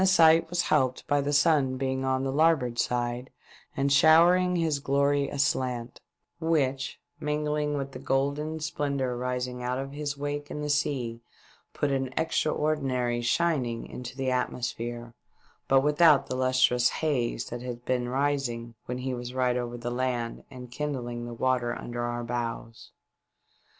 sight was helped by the sun being on the larboard side and showering his glory aslant, which, mingling with the golden splendour rising out of his wake In the sea, put an ex traordinary shining into the atmosphere, but without the lustrous haze that had been rising when he was right over the land and kindlinor the water under our bows.